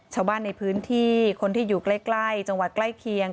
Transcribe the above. ชาวบ้านในพื้นที่คนที่อยู่ใกล้จังหวัดใกล้เคียง